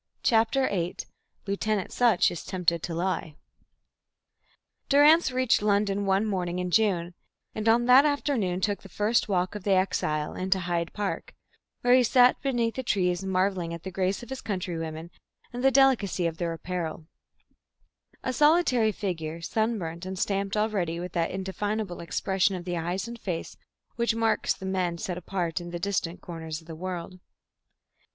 CHAPTER VIII LIEUTENANT SUTCH IS TEMPTED TO LIE Durrance reached London one morning in June, and on that afternoon took the first walk of the exile, into Hyde Park, where he sat beneath the trees marvelling at the grace of his countrywomen and the delicacy of their apparel, a solitary figure, sunburnt and stamped already with that indefinable expression of the eyes and face which marks the men set apart in the distant corners of the world.